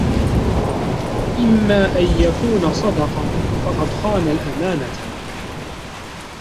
إمَّا أَنْ يَكُونَ صَدَقَ فَقَدْ خَانَ الْأَمَانَةَ